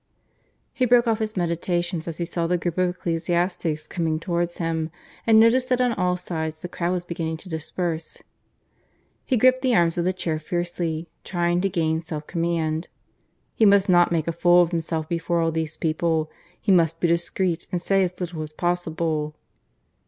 ... He broke off his meditations as he saw the group of ecclesiastics coming towards him, and noticed that on all sides the crowd was beginning to disperse. He gripped the arms of the chair fiercely, trying to gain self command. He must not make a fool of himself before all these people; he must be discreet and say as little as possible.